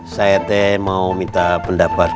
saya teh mau minta pendapat